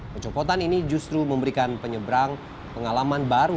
pencopotan ini justru memberikan penyeberang pengalaman baru